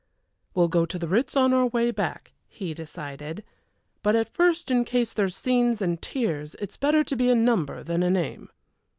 "We'll go to the Ritz on our way back," he decided, "but at first, in case there's scenes and tears, it's better to be a number than a name."